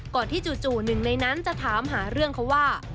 ก่อนที่จู่หนึ่งในนั้นจะถามหาเรื่องเขาว่า